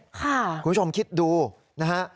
คุณผู้ชมคิดดูนะฮะ